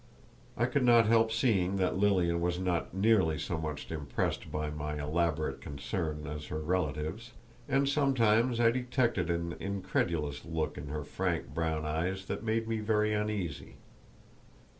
I could not help seeing that Lilian was not nearly so much impressed by my elaborate concern as her relatives, and sometimes I detected an incredulous look in her frank brown eyes that made me very uneasy.